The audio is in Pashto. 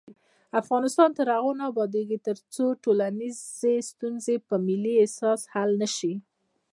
افغانستان تر هغو نه ابادیږي، ترڅو ټولنیزې ستونزې په ملي احساس حل نشي.